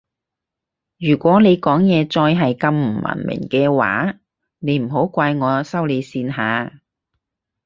如果你講嘢再係咁唔文明嘅話你唔好怪我收你線吓